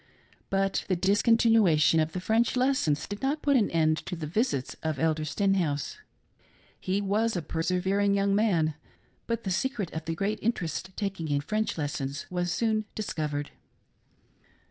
But the discontinuation of the French lessons did not put an end to the visits of Elder Sten house. He was a persevering young man ; but the secret of the great interest taken in the French lessons was soon dis covered.